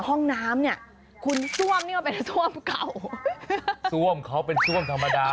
ห้องน้ำเนี่ยคุณซ่วมนี่มันเป็นซ่วมเก่าซ่วมเขาเป็นซ่วมธรรมดา